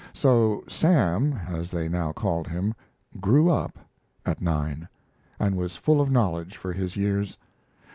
So "Sam," as they now called him, "grew up" at nine, and was full of knowledge for his years.